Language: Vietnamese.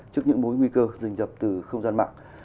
trước những mối nguy cơ dình dập từ không gian mạng